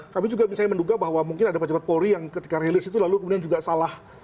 kami juga misalnya menduga bahwa mungkin ada pejabat polri yang ketika rilis itu lalu kemudian juga salah